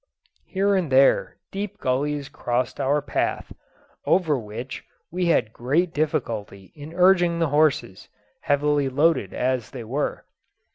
Here and there deep gullies crossed our path, over which we had great difficulty in urging the horses, heavily loaded as they were.